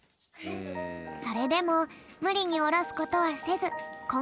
それでもむりにおろすことはせずこん